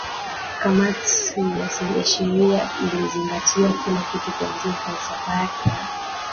kamati ya sheria ikizingatia kila kitu kuanzia falsafa yake ya